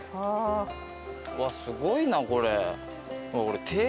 うわっすごいなこれ。